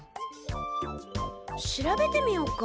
調べてみよっか？